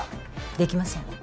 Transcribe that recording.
できません。